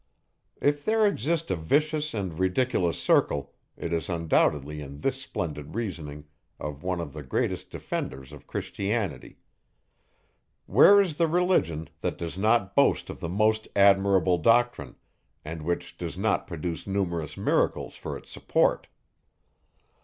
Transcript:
If there exist a vicious and ridiculous circle, it is undoubtedly in this splendid reasoning of one of the greatest defenders of Christianity. Where is the religion, that does not boast of the most admirable doctrine, and which does not produce numerous miracles for its support?